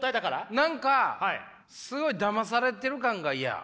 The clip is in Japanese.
何かすごいだまされてる感が嫌。